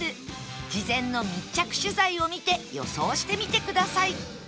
事前の密着取材を見て予想してみてください！